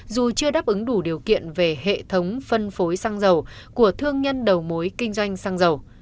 dù chưa đáp ứng đủ điều kiện về hệ thống phân phối xăng dầu của thương nhân đầu mối kinh doanh xăng dầu